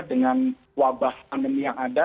dengan wabah pandemi yang ada